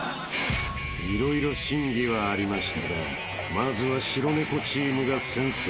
［色々審議はありましたがまずは白猫チームが先制］